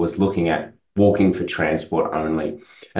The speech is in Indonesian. adalah mencari kaki untuk transportasi saja